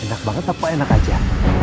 enak banget apa enak aja